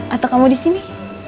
atau kamu disini